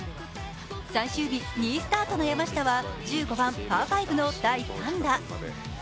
最終日２位スタートの山下は１５番パー５の第３打。